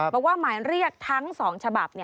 บอกว่าหมายเรียกทั้ง๒ฉบับ